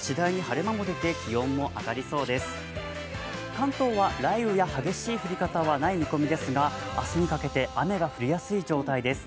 関東は雷雨や激しい降り方はない見込みですが、明日にかけて雨が降りやすい状態です。